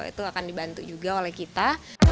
itu akan dibantu juga oleh kita